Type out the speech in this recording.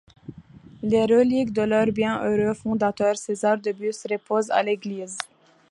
Les reliques de leur bienheureux fondateur, César de Bus, reposent à l'église.